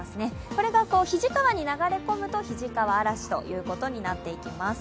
これが肱川に流れ込むと肱川あらしということになっていきます。